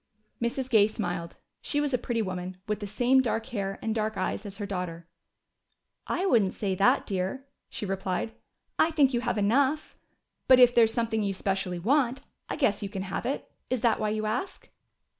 Mrs. Gay smiled. She was a pretty woman, with the same dark hair and dark eyes as her daughter. "I wouldn't say that, dear," she replied. "I think you have enough. But if there is something you specially want, I guess you can have it. Is that why you ask?"